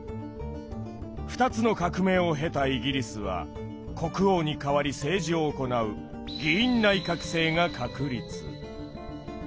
２つの革命を経たイギリスは国王に代わり政治を行う議院内閣制が確立。